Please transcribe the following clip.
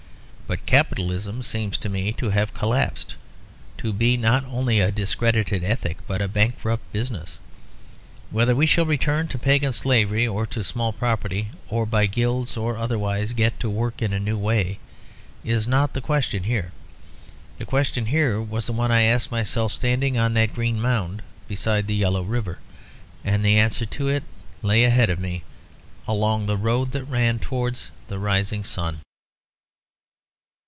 But Capitalism seems to me to have collapsed; to be not only a discredited ethic but a bankrupt business. Whether we shall return to pagan slavery, or to small property, or by guilds or otherwise get to work in a new way, is not the question here. The question here was the one I asked myself standing on that green mound beside the yellow river; and the answer to it lay ahead of me, along the road that ran towards the rising sun.